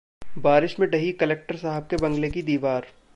बारिश में ढही कलेक्टर साहब के बंगले की दीवार